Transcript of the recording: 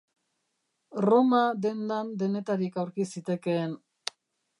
Roma dendan denetarik aurki zitekeen.